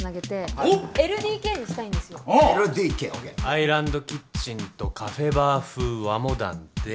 アイランドキッチンとカフェバー風和モダンで。